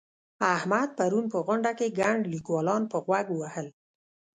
احمد پرون په غونډه کې ګڼ ليکوالان په غوږ ووهل.